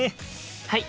はい！